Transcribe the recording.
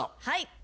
はい。